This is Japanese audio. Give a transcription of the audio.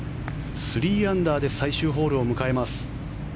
３アンダーで最終ホールを迎えます。